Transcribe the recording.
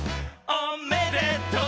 「おめでとう」